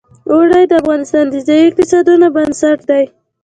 اوړي د افغانستان د ځایي اقتصادونو بنسټ دی.